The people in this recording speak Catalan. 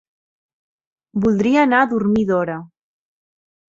Voldria anar a dormir d'hora.